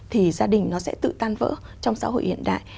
thì gia đình nó sẽ tự tan vỡ trong xã hội hiện đại